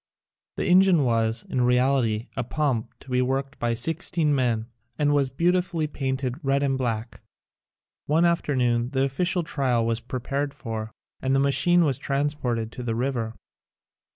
The engine was, in reality, a pump to be worked by sixteen men and was beautifully painted red and black. One afternoon the official trial was prepared for and the ma chine was transported to the river.